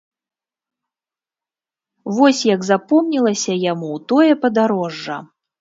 Вось як запомнілася яму тое падарожжа.